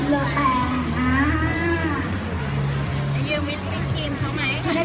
น่าจะไม่พอ